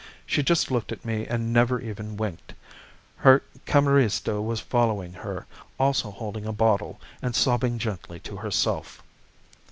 She just looked at me and never even winked. Her camerista was following her, also holding a bottle, and sobbing gently to herself.